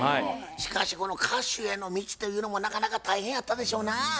しかしこの歌手への道というのもなかなか大変やったでしょうなぁ。